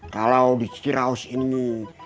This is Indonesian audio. kalau di cikiraus ini